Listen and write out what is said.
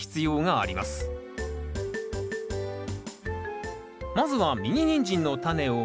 まずはミニニンジンのタネをまき